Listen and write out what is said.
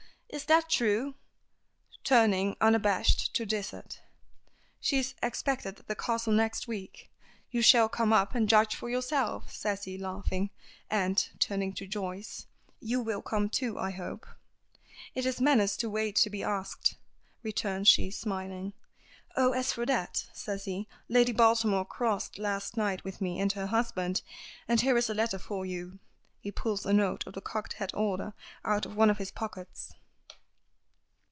Is that true?" turning, unabashed to Dysart. "She's expected at the Castle, next week. You shall come up and judge for yourself," says he, laughing. "And," turning to Joyce, "you will come, too, I hope." "It is manners to wait to be asked," returns she, smiling. "Oh, as for that," says he, "Lady Baltimore crossed last night with me and her husband. And here is a letter for you." He pulls a note of the cocked hat order out of one of his pockets.